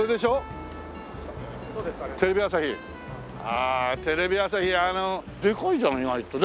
ああテレビ朝日でかいじゃん意外とね。